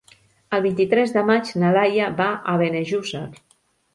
El vint-i-tres de maig na Laia va a Benejússer.